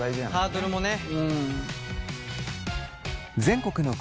ハードルもね。